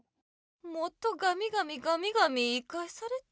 もっとガミガミガミガミ言いかえされた。